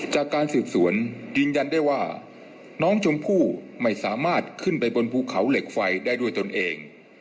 จากการสืบสวนยืนยันได้ว่าน้องชมพู่ไม่สามารถขึ้นไปบนภูเขาเหล็กไฟได้ด้วยตนเอง